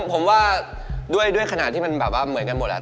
ผมว่าด้วยขนาดที่มันแบบว่าเหมือนกันหมดแล้ว